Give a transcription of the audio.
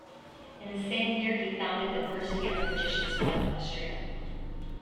In the same year he founded the first Young Magician's Club in Austria.